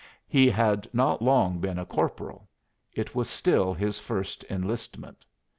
He had not long been a corporal. It was still his first enlistment.